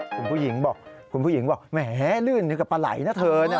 คุณผู้หญิงบอกคุณผู้หญิงบอกแหมลื่นนี่ก็ปลาไหล่นะเธอนะ